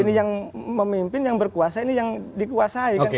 ini yang memimpin yang berkuasa ini yang dikuasai kan